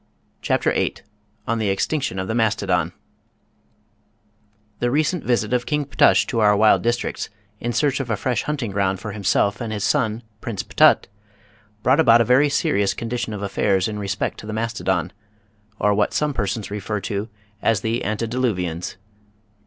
CHAPTER VIII ON THE EXTINCTION OF THE MASTODON The recent visit of King Ptush to our wild districts in search of a fresh hunting ground for himself and his son, Prince Ptutt, brought about a very serious condition of affairs in respect to the mastodon, or what some persons refer to as the Antediluvians.